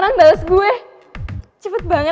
masa lo tua udah ketlebana